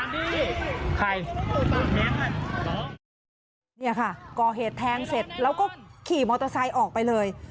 นี่ค่ะกอเหตุแท้งเสร็จแล้วก็ขี่มอเตอร์ไซค์ออกไปเลย